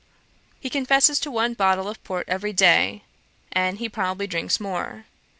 He confesses to one bottle of port every day, and he probably drinks more.